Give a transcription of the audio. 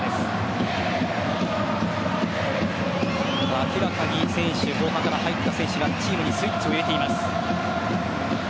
明らかに後半から入った選手がチームにスイッチを入れています。